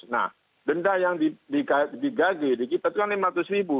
nah denda yang digaji di kita itu kan lima ratus ribu